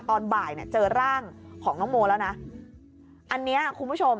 ตอนบ่ายเนี่ยเจอร่างของน้องโมแล้วนะอันเนี้ยคุณผู้ชม